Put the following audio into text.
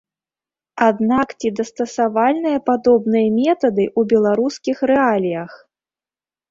Аднак ці дастасавальныя падобныя метады ў беларускіх рэаліях?